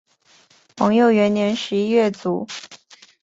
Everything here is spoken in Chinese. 皇佑元年十一月卒。